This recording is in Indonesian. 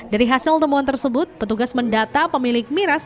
dari hasil temuan tersebut petugas mendata pemilik miras